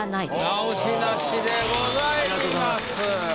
直しなしでございます。